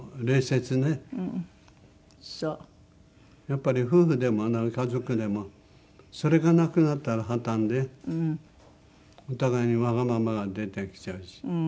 やっぱり夫婦でも家族でもそれがなくなったら破綻でお互いにわがままが出てきちゃうし。